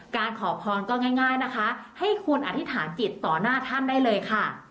ขอพรก็ง่ายนะคะให้คุณอธิษฐานจิตต่อหน้าท่านได้เลยค่ะ